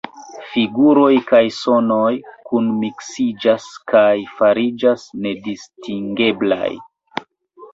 Figuroj kaj sonoj kunmiksiĝas kaj fariĝas nedistingeblaj.